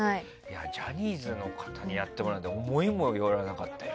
ジャニーズの方にやってもらうなんて思いもよらなかったよ。